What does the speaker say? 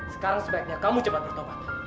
sekarang sebaiknya kamu cepat bertobat